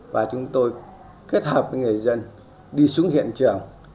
và chúng tôi kết hợp với người dân đi xuống hiện trường